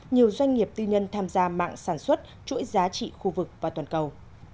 nhiều doanh nghiệp tư nhân tham gia mạng sản xuất chuỗi giá trị khu vực và toàn cầu